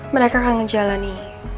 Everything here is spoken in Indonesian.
mereka akan ngejalani